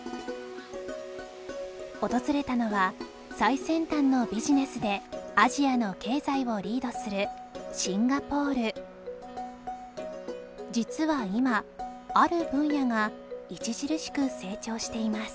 訪れたのは最先端のビジネスでアジアの経済をリードする実は今ある分野が著しく成長しています